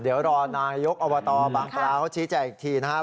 เดี๋ยวรอนายกอบตบางปลาเขาชี้แจงอีกทีนะครับ